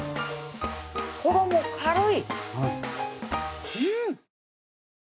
衣軽い！